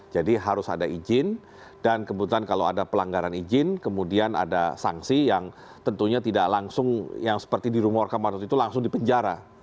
jadi harus ada izin dan kebetulan kalau ada pelanggaran izin kemudian ada sanksi yang tentunya tidak langsung yang seperti dirumorkan waktu itu langsung dipenjara